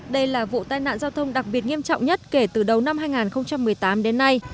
đây là vụ tai nạn giao thông đặc biệt nghiêm trọng nhất kể từ đầu năm hai nghìn một mươi tám đến nay